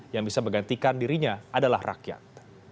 yang bisa menggantikan dirinya adalah rakyat